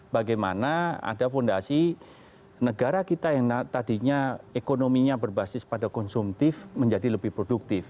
bagaimana ada fondasi negara kita yang tadinya ekonominya berbasis pada konsumtif menjadi lebih produktif